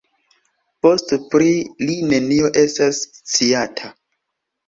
Poste pri li nenio estas sciata.